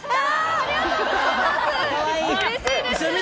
ありがとうございます。